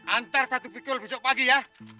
antar satu pikul besok pagi ya